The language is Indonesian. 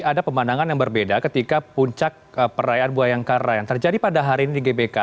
ada pemandangan yang berbeda ketika puncak perayaan buayangkara yang terjadi pada hari ini di gbk